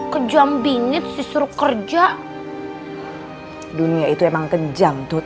kejam bingit disuruh kerja dunia itu emang kejam tut